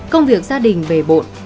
công việc gia đình bề bộn